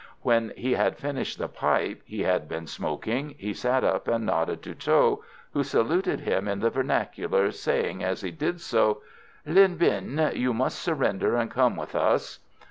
When he had finished the pipe he had been smoking, he sat up and nodded to Tho, who saluted him in the vernacular, saying as he did so: "Linh binh, you must surrender and come with us.